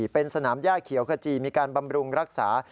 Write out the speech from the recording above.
เป็นสนามย่าเขียวขจีมีการบำรุงรักษา